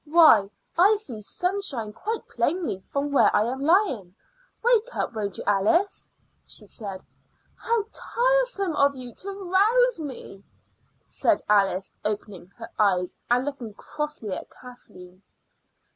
Why, I see sunshine quite plainly from where I am lying. Wake up, won't you, Alice?" she said. "How tiresome of you to rouse me!" said Alice, opening her eyes and looking crossly at Kathleen.